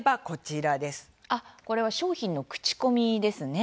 これは商品の口コミですね。